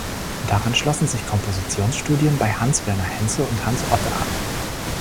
Daran schlossen sich Kompositionsstudien bei Hans Werner Henze und Hans Otte an.